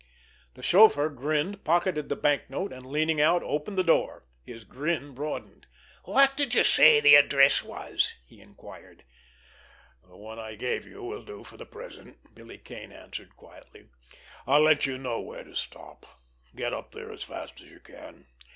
The chauffeur grinned, pocketed the banknote, and, leaning out, opened the door. His grin broadened. "What did you say the address was?" he inquired. "The one I gave you will do for the present," Billy Kane answered quietly. "I'll let you know where to stop. Get up there as fast as you can.